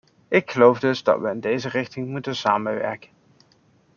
Ik geloof dus dat we in deze richting moeten samenwerken.